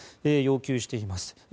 要求しています。